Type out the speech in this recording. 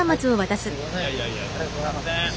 ありがとうございます。